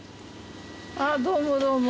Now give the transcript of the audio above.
どうもどうも。